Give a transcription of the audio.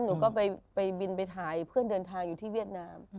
หนูก็ไปบินไปถ่ายเพื่อนเดินทางอยู่ที่เวียดนาม